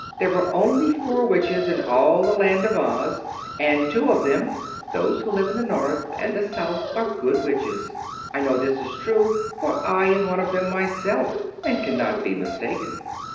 There were only four witches in all the Land of Oz, and two of them, those who live in the North and the South, are good witches. I know this is true, for I am one of them myself, and cannot be mistaken.